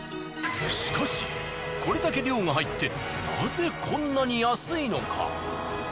しかしこれだけ量が入ってなぜこんなに安いのか？